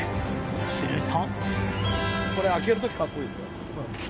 すると。